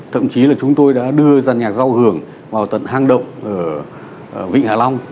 thậm chí là chúng tôi đã đưa giàn nhạc giao hưởng vào tận hang động ở vịnh hạ long